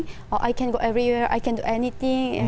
saya bisa pergi ke mana mana saya bisa melakukan apa saja